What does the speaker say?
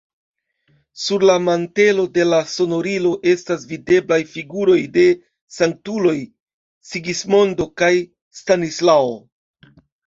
Sur la mantelo de la sonorilo estas videblaj figuroj de sanktuloj: Sigismondo kaj Stanislao.